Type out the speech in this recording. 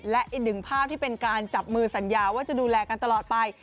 และอีกหนึ่งภาพที่เป็นการจับมือสัญญาว่าจะดูแลกันตลอดไป